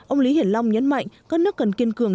ông lý hiển long nhấn mạnh các nước cần kiên cường